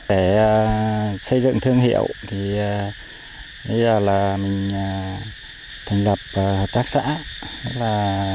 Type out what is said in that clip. để xây dựng thương hiệu thì bây giờ là mình thành lập hợp tác xã